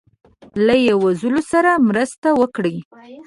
له یی وزلو سره مرسته وکړي